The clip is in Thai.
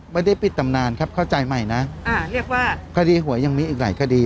ไม่ได้ปิดตำนานครับเข้าใจใหม่นะอ่าเรียกว่าคดีหวยยังมีอีกหลายคดี